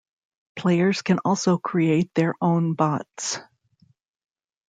Players can also create their own bots.